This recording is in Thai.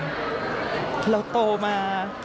เราโตมาเราเห็นพระองค์ท่านมาทลอด